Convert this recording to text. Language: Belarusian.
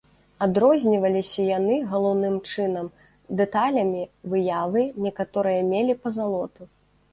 Адрозніваліся яны, галоўным чынам, дэталямі выявы, некаторыя мелі пазалоту.